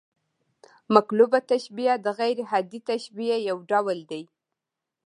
مقلوبه تشبیه د غـير عادي تشبیه یو ډول دئ.